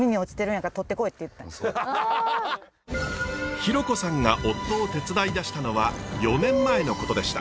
裕子さんが夫を手伝いだしたのは４年前のことでした。